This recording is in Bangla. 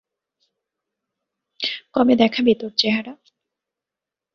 কবে দেখাবি তোর চেহারা?